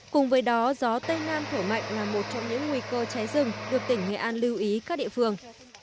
cùng với đó gió tây nam thổi mạnh là một trong những nguy cơ cháy rừng được tỉnh nghệ an lưu ý các địa phương